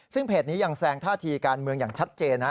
ซึ่งเพจนี้ยังแซงท่าทีการเมืองอย่างชัดเจนนะ